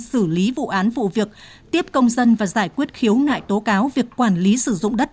xử lý vụ án vụ việc tiếp công dân và giải quyết khiếu nại tố cáo việc quản lý sử dụng đất